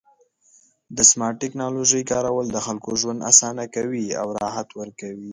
د سمارټ ټکنالوژۍ کارول د خلکو ژوند اسانه کوي او راحت ورکوي.